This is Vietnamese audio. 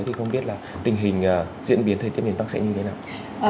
thì không biết là tình hình diễn biến thời tiết miền bắc sẽ như thế nào